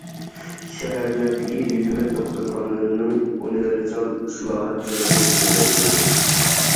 شەھەرلەردىكى ھۆكۈمەت دوختۇرخانىلىرىنىڭ ئۇنىۋېرسال ئىسلاھات سىنىقى كېڭەيتىلىدۇ.